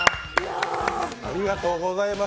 ありがとうございます。